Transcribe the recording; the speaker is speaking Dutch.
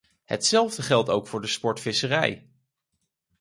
Hetzelfde geldt ook voor de sportvisserij.